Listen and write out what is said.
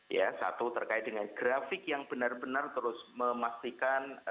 ya satu terkait dengan grafik yang benar benar terus memastikan